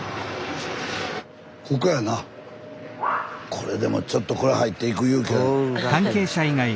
これでもちょっとこれ入っていく勇気は。